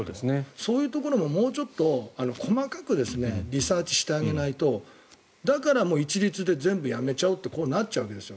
そういうところももうちょっと細かくリサーチしてあげないとだから、一律で全部やめちゃうってこうなるわけですよ。